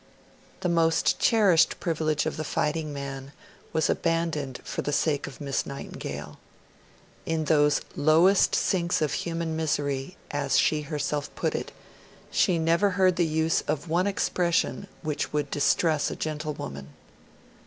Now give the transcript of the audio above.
The most cherished privilege of the fighting man was abandoned for the sake of Miss Nightingale. In those 'lowest sinks of human misery', as she herself put it, she never heard the use of one expression 'which could distress a gentlewoman'.